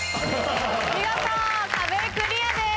見事壁クリアです。